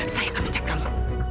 saya akan pecat kamu